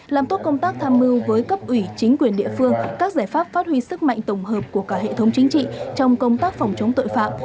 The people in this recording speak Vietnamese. làm tốt công tác tham mưu với cấp ủy chính quyền địa phương các giải pháp phát huy sức mạnh tổng hợp của cả hệ thống chính trị trong công tác phòng chống tội phạm